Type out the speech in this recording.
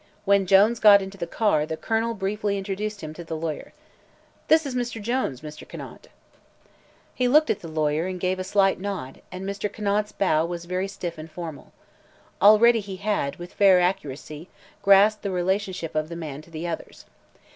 When Jones got into the car the Colonel briefly introduced him to the lawyer. "This is Mr. Jones, Mr. Conant." He looked at the lawyer and gave a slight nod, and Mr. Conant's bow was very stiff and formal. Already he had, with fair accuracy, grasped the relationship of the man to the others.